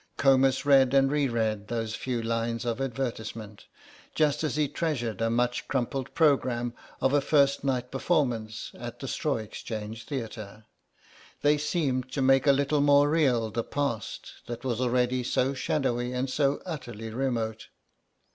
Comus read and re read those few lines of advertisement, just as he treasured a much crumpled programme of a first night performance at the Straw Exchange Theatre; they seemed to make a little more real the past that was already so shadowy and so utterly remote.